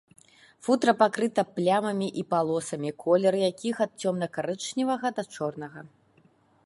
Футра пакрыта плямамі і палосамі, колер якіх ад цёмна-карычневага да чорнага.